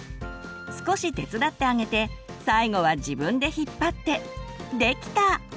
少し手伝ってあげて最後は自分で引っ張ってできた！